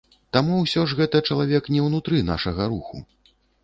Таму ўсё ж гэта чалавек не ўнутры нашага руху.